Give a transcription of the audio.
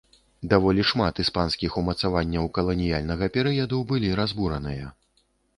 Даволі шмат іспанскіх умацаванняў каланіяльнага перыяду былі разбураныя.